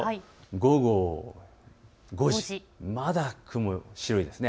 午後５時、まだ雲が白いです。